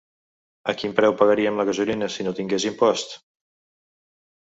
A quin preu pagaríem la gasolina si no tingués imposts?